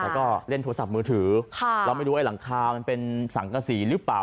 แล้วก็เล่นโทรศัพท์มือถือเราไม่รู้ไอ้หลังคามันเป็นสังกษีหรือเปล่า